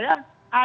yang menurut saya